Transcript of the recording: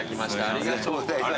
ありがとうございます。